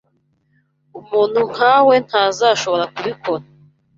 Umuntu nkawe ntazashobora kubikora.